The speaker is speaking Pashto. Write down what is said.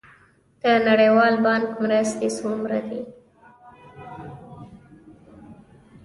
د نړیوال بانک مرستې څومره دي؟